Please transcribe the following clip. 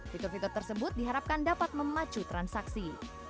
fitur fitur tersebut diharapkan dapat memacu transaksi